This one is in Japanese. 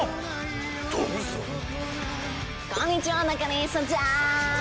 こんにちは。